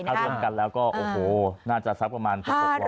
ถ้ารวมกันแล้วก็โอ้โฮน่าจะซับประมาณ